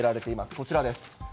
こちらです。